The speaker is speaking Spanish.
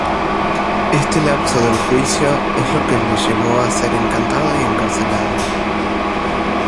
Este lapso del juicio es lo que le llevó a ser encantado y encarcelado.